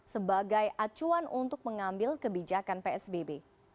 sebagai acuan untuk mengambil kebijakan psbb